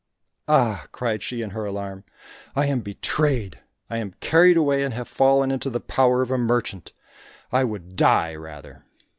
"Ah," cried she in her alarm, "I am betrayed! I am carried away and have fallen into the power of a merchant—I would die rather!"